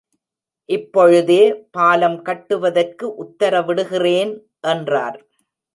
இப்பொழுதே பாலம் கட்டுவதற்கு உத்தரவிடுகிறேன் என்றார்.